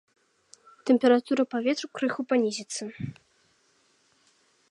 Тэмпература паветра крыху панізіцца.